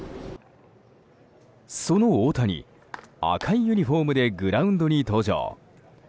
その大谷、赤いユニホームでグラウンドに登場。